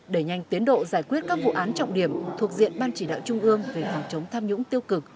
đẩy nhanh tiến độ giải quyết các vụ án trọng điểm thuộc diện ban chỉ đạo trung ương về phòng chống tham nhũng tiêu cực